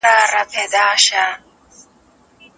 هغه څېړونکی چي تاریخ نه پېژني غلطۍ کوي.